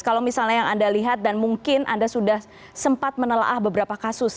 kalau misalnya yang anda lihat dan mungkin anda sudah sempat menelah beberapa kasus